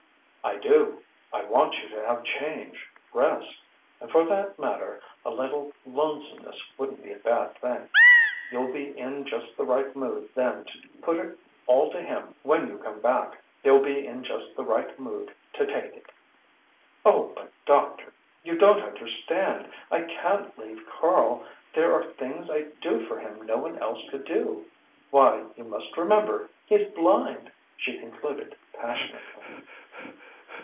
"I do. I want you to have change, rest, and for that matter a little lonesomeness won't be a bad thing. You'll be in just the right mood then to put it all to him when you come back. He'll be in just the right mood to take it." "Oh, but, doctor you don't understand! I can't leave Karl. There are things I do for him no one else could do. Why you must remember he's blind!" she concluded, passionately.